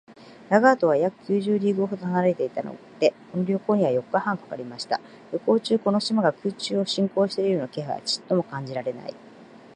ラガードは約九十リーグほど離れていたので、この旅行には四日半かかりました。旅行中、この島が空中を進行しているような気配はちょっとも感じられない